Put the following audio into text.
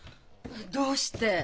どうして？